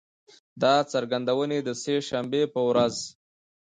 دا څرګندونې د سه شنبې په ورځ